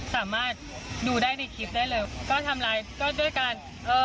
สามารถดูได้ในคลิปได้เลยก็ทำร้ายก็ด้วยการเอ่อ